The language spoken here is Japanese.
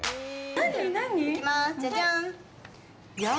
何？